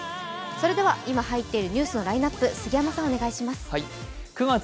それでは、今入っているニュースのラインナップ、杉山さん、お願いします。